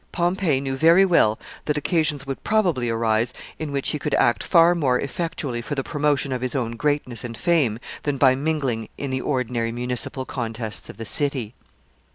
Pompey knew very well that occasions would probably arise in which he could act far more effectually for the promotion of his own greatness and fame than by mingling in the ordinary municipal contests of the city.